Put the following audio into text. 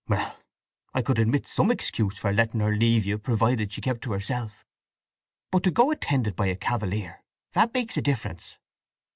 "Well, I could admit some excuse for letting her leave you, provided she kept to herself. But to go attended by a cavalier—that makes a difference."